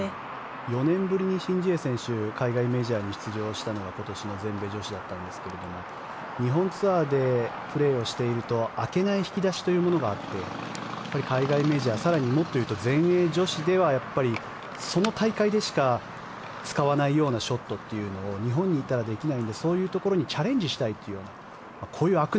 ４年ぶりにシン・ジエ選手海外メジャーに出場したのが今年の全米女子だったんですが日本ツアーでプレーしていると開けない引き出しというものがあって海外メジャー更にもっと言うと全英女子ではやっぱりその大会でしか使わないようなショットというのを日本にいたらできないのでそういうところにチャレンジしたいというこういう飽く